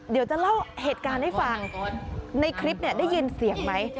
เอาเหตุการณ์ให้ฟังในคลิปได้ยินเสียงไหม